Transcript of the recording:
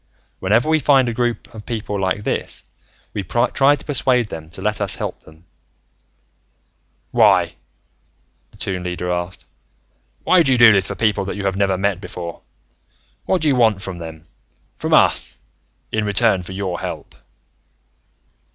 "Whenever we find a group of people like this, we try to persuade them to let us help them." "Why?" the Toon Leader asked. "Why do you do this for people that you have never met before? What do you want from them from us in return for your help?"